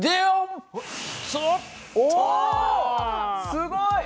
すごい！